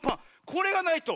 これがないと。